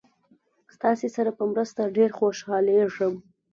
ستاسې سره په مرسته ډېر خوشحالیږم.